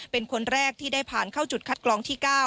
เป็นคนแรกที่ได้ผ่านเข้าจุดคัดกรองที่๙